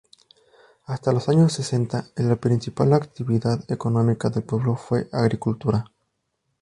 Hasta los años sesenta la principal actividad económica del pueblo fue el agricultura.